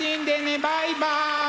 バイバイ！